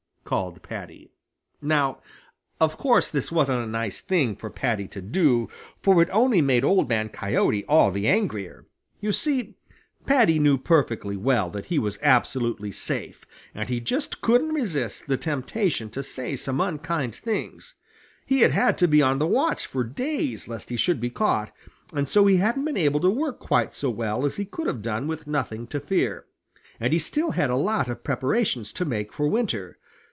called Paddy. Now, of course, this wasn't a nice thing for Paddy to do, for it only made Old Man Coyote all the angrier. You see, Paddy knew perfectly well that he was absolutely safe, and he just couldn't resist the temptation to say some unkind things. He had had to be on the watch for days lest he should be caught, and so he hadn't been able to work quite so well as he could have done with nothing to fear, and he still had a lot of preparations to make for winter.